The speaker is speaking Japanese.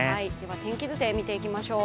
天気図で見ていきましょう。